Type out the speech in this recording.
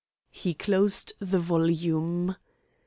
He closed the volume.